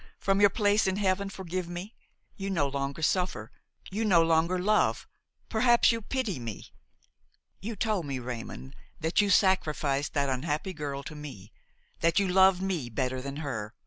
from your place in heaven forgive me! you no longer suffer, you no longer love, perhaps you pity me! You told me, Raymon, that you sacrificed that unhappy girl to me, that you loved me better than her.